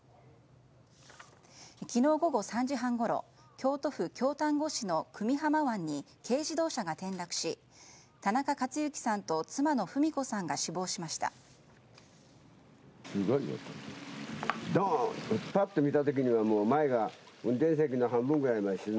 昨日午後３時半ごろ京都府京丹後市の久美浜湾に軽自動車が転落し田中勝之さんと妻の文子さんが死亡しました。